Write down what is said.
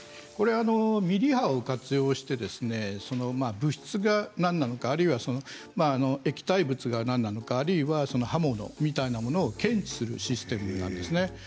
ミリ波を活用して物質が何なのか液体物が何なのか刃物みたいなものを検知するシステムなんですね。